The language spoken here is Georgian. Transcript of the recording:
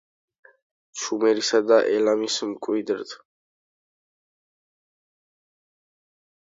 შუმერისა და ელამის მკვიდრთ.